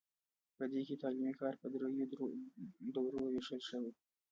په دې کې تعلیمي کار په دریو دورو ویشل شوی.